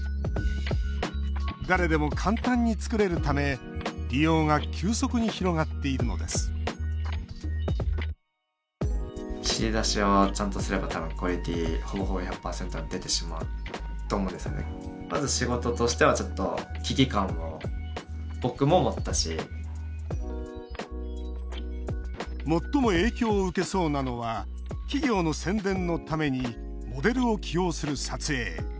誰でも簡単に作れるため利用が急速に広がっているのです最も影響を受けそうなのは企業の宣伝のためにモデルを起用する撮影。